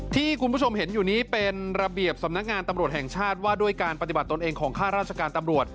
ที่คุณผู้ชมเห็นอยู่นี้เป็นระเบียบสำนักงานตำรวจแห่งชาติว่าด้วยการปฏิบัติตนเองของข้าราชการตำรวจ